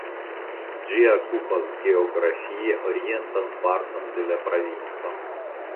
Ĝi okupas geografie orientan parton de la provinco.